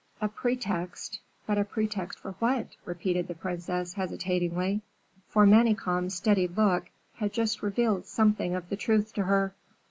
"A pretext? But a pretext for what?" repeated the princess, hesitatingly, for Manicamp's steady look had just revealed something of the truth to her.